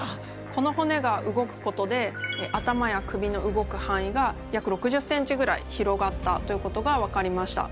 この骨が動くことで頭や首の動く範囲が約６０ｃｍぐらい広がったということが分かりました。